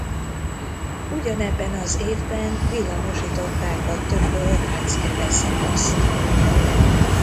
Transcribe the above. Ugyanebben az évben villamosították a Tököl–Ráckeve szakaszt.